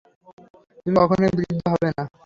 তুমি কখনই বৃদ্ধ হবে না।